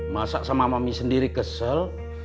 masak sama mami sendiri kesel